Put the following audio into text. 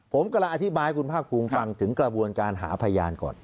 ผมกำลังอธิบายให้คุณภาคภูมิฟังถึงกระบวนการหาพยานก่อน